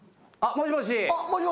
もしもし？